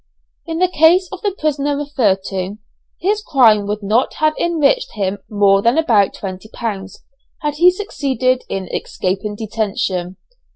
In the case of the prisoner referred to, his crime would not have enriched him more than about twenty pounds, had he succeeded in escaping detection.